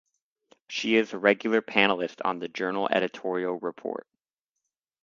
She is a regular panelist on the "Journal Editorial Report".